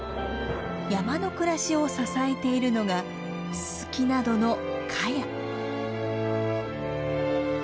山の暮らしを支えているのがススキなどのカヤ。